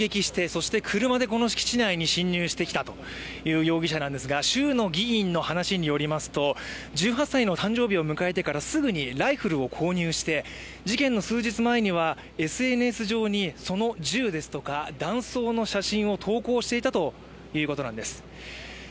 そして車でこの敷地内に侵入してきたという容疑者なんですが州の議員の話によりますと、１８歳の誕生日を迎えてからすぐにライフルを購入して事件の数日前にはＳＮＳ上に、銃や弾倉の写真を投稿していたということなんです。